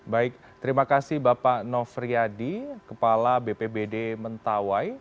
baik terima kasih bapak nofriyadi kepala bpbd mentawai